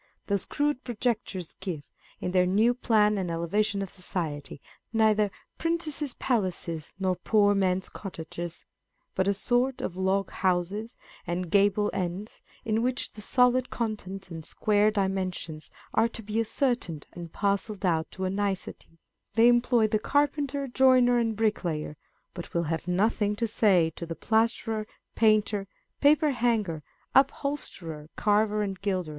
These crude projectors give, in their new plan and elevation of society, neither " princes' palaces nor poor men's cottages," but a sort of log houses and gable ends, in which the solid contents and square dimensions are to be ascertained and parcelled out to a nicety ; they employ the carpenter, joiner, and bricklayer, but will have nothing to say to the plasterer, painter, paper hanger, upholsterer, carver and gilder, &c.